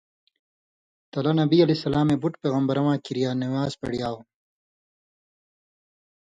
تلہ نبی علیہ السلامے بُٹ پېغمبرہ واں کِریا نِوان٘ز پڑیاؤ۔